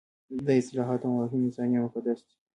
دا اصطلاحات او مفاهیم انساني او مقدس دي.